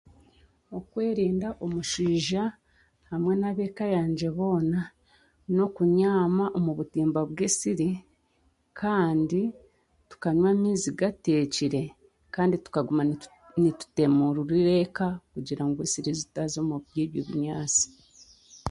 Okwerinda omushwija hamwe n'abeeka yangye boona n'okunyama omubutima bw'ensiri kandi tukanywa amaizi g'atekyire kandi tukaguma nitutemururira eka kugira ngu ensiri zitaaza omuri ebyo binyasi.